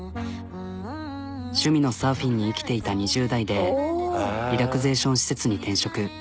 趣味のサーフィンに生きていた２０代でリラクゼーション施設に転職。